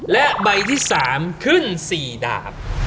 และใบที่๓ขึ้น๔ดาบ